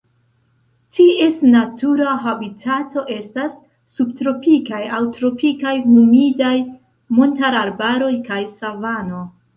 Ties natura habitato estas subtropikaj aŭ tropikaj humidaj montararbaroj kaj savano.